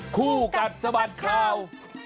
คู่กัดสะบัดข่าว